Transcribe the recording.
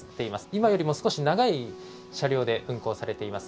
今よりも少し長い車両で運行されています。